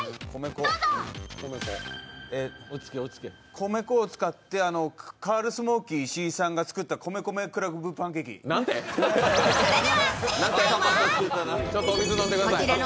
米粉を使ってカールスモーキー石井さんが作った米米ＣＬＵＢパンケーキ。なんて？なんて？